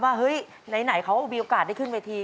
เฮ้ยไหนเขามีโอกาสได้ขึ้นเวที